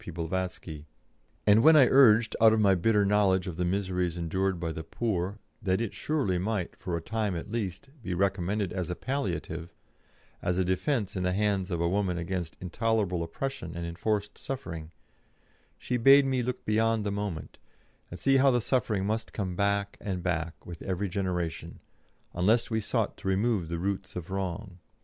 P. Blavatsky, and when I urged, out of my bitter knowledge of the miseries endured by the poor, that it surely might, for a time at least, be recommended as a palliative, as a defence in the hands of a woman against intolerable oppression and enforced suffering, she bade me look beyond the moment, and see how the suffering must come back and back with every generation, unless we sought to remove the roots of wrong.